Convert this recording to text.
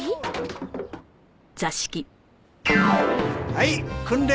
はい訓練